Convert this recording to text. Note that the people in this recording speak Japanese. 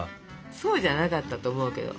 そうじゃなかったと思うけど。